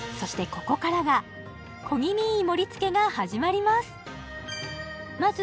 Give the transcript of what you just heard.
ここからが小気味いい盛りつけが始まります